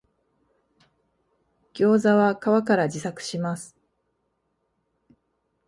ギョウザは皮から自作します